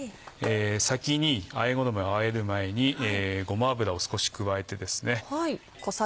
先にあえ衣であえる前にごま油を少し加えてですね。